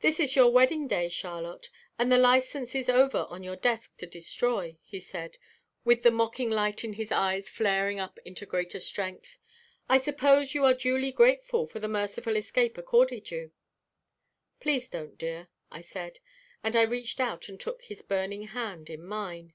"This is your wedding day, Charlotte, and the license is over on the desk to destroy," he said, with the mocking light in his eyes flaring up into greater strength. "I suppose you are duly grateful for the merciful escape accorded you." "Please don't, dear," I said, and I reached out and took his burning hand in mine.